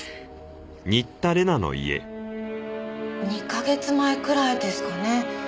２か月前くらいですかね。